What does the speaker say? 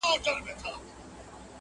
ساقي نن مه کوه د خُم د تشیدو خبري؛